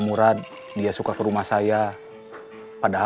paling sampai hjah